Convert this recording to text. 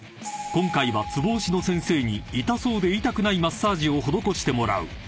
［今回はつぼ押しの先生に痛そうで痛くないマッサージを施してもらう］